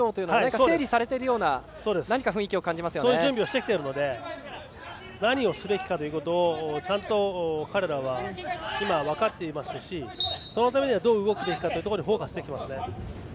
そういう準備をしてきているので何をすべきかということをちゃんと彼らは今は分かっていますしそのためにどう動くべきかフォーカスできてますね。